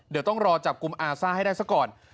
เดี๋ยวต้องรอจับกลุ่มอาซ่าให้ได้ซะก่อน